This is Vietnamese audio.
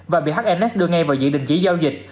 và bị hns đưa ngay vào dị định chỉ giao dịch